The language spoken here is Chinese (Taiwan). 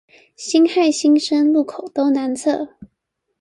辛亥新生路口東南側